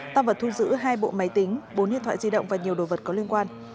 tăng vật thu giữ hai bộ máy tính bốn điện thoại di động và nhiều đồ vật có liên quan